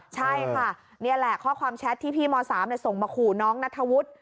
ใช่ค่ะเนี้ยแหล้ค่าความแชตที่พี่ม๓ส่งมาขู่น้องนาธะวุธ